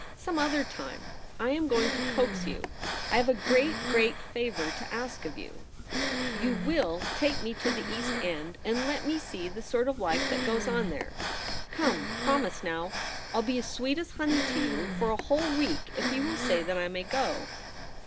Some other time. I am going to coax you. I have a great, great favour to ask of you. You wi// take me to the East End and let me see the sort of life that goes on there ? Come, promise 172 THE REBEL ROSE. now. I'll be as sweet as honey to you for a whole week if you will say that I may go.'